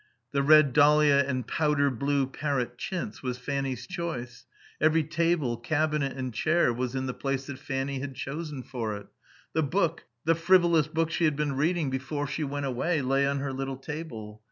The red dahlia and powder blue parrot chintz was Fanny's choice; every table, cabinet and chair was in the place that Fanny had chosen for it. The book, the frivolous book she had been reading before she went away, lay on her little table.